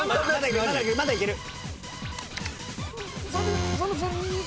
まだいける。